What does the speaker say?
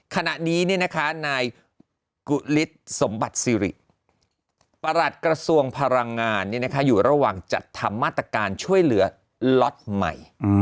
ขณะนี้นายกุฤษสมบัติศิริประหลัดกระทรวงพลังงานอยู่ระหว่างจัดทำมาตรการช่วยเหลือล็อตใหม่